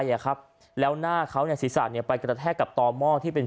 อ่ะครับแล้วหน้าเขาเนี่ยศีรษะเนี่ยไปกระแทกกับต่อหม้อที่เป็น